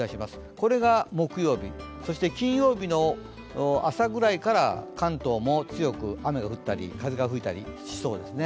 これが木曜日、そして金曜日の朝ぐらいから関東も強い雨が降ったり、風が吹いたりしそうですね。